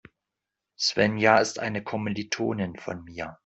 Svenja ist eine Kommilitonin von mir.